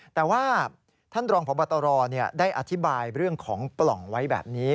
แต่ว่าท่านรองพบตรได้อธิบายเรื่องของปล่องไว้แบบนี้